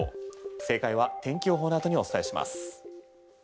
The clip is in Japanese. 正解は天気予報のあとにお伝えします。